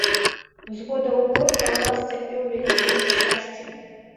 З года ў год калгас цярпеў вялікія няшчасці.